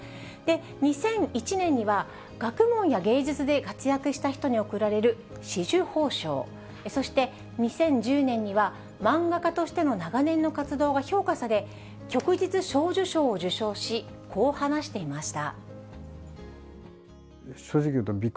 ２００１年には、学問や芸術で活躍した人に贈られる紫綬褒章、そして２０１０年には漫画家としての長年の活動が評価され、旭日小授章を受章し、こう話していました。